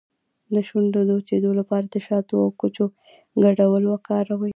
د شونډو د وچیدو لپاره د شاتو او کوچو ګډول وکاروئ